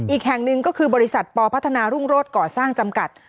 อีกแห่งหนึ่งก็คือบริษัทปพัฒนารุ่งโรศก่อสร้างจำกัด